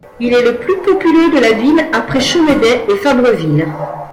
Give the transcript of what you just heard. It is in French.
Il est le le plus populeux de la ville après Chomedey et Fabreville.